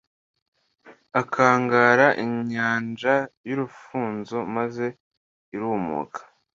akangara inyanja y'urufunzo, maze irumuka